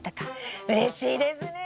うれしいですね。